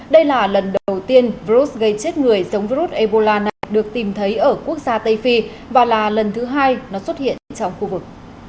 đây là lần đầu tiên virus gây chết người giống virus ebola này được tìm thấy ở quốc gia tây phi và là lần thứ hai nó xuất hiện trong khu vực